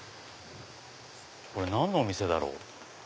これ何のお店だろう？